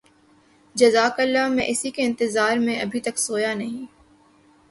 جزاک اللہ میں اسی کے انتظار میں ابھی تک سویا نہیں